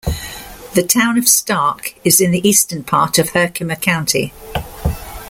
The Town of Stark is in the eastern part of Herkimer County.